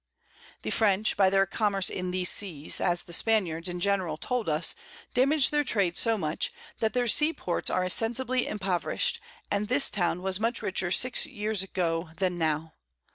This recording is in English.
The French, by their Commerce in these Seas, as the Spaniards in general told us, damage their Trade so much, that their Sea ports are sensibly impoverish'd, and this Town was much richer 6 Years go than now.